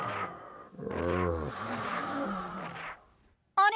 あれ？